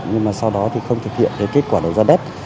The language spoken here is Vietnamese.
nhưng mà sau đó thì không thực hiện cái kết quả đầu ra đất